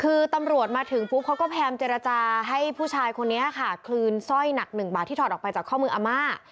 คือตำรวจมาถึงปุ๊บเขาก็พยายามเจรจาให้ผู้ชายคนนี้ค่ะคืนสร้อยหนักหนึ่งบาทที่ถอดออกไปจากข้อมืออาม่า